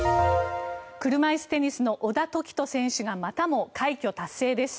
車いすテニスの小田凱人選手がまたも快挙達成です。